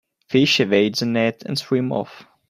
Fish evade the net and swim off.